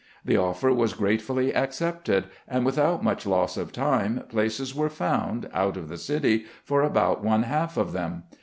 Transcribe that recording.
The offer was gratefully accepted, and without much loss of time, places were found, out of the city, for about one half of them.